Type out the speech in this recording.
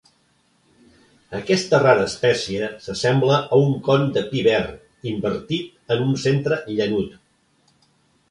Aquesta rara espècie s'assembla a un con de pi verd invertit amb un centre llanut.